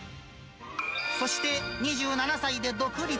そして２７歳で独立。